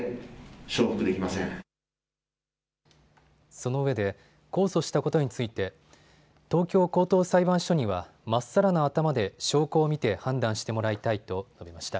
そのうえで控訴したことについて、東京高等裁判所には、まっさらな頭で証拠を見て判断してもらいたいと述べました。